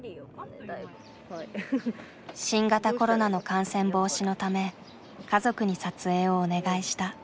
新型コロナの感染防止のため家族に撮影をお願いした。